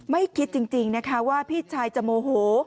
ไม่คิดจริงนะคะว่าพี่ชายจะโมโห